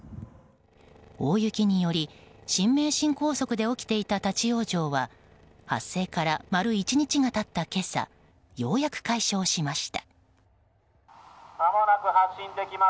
大雪により新名神高速で起きていた立ち往生は発生から丸１日が経った今朝ようやく解消しました。